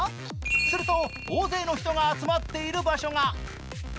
すると、大勢の人が集まっている場所が。